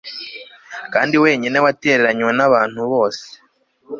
Kandi wenyine watereranywe nabantu bose